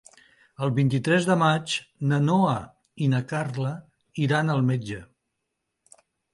El vint-i-tres de maig na Noa i na Carla iran al metge.